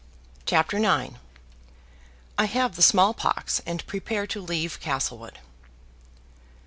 CHAPTER IX. I HAVE THE SMALL POX, AND PREPARE TO LEAVE CASTLEWOOD.